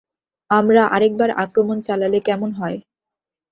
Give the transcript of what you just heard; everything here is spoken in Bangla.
আমরা আরেকবার আক্রমণ চালালে কেমন হয়?